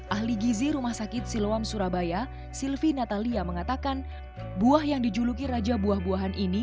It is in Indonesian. ahli gizi rumah sakit siloam surabaya silvi natalia mengatakan buah yang dijuluki raja buah buahan ini